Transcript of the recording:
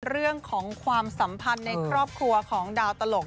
เรื่องของความสัมพันธ์ในครอบครัวของดาวตลก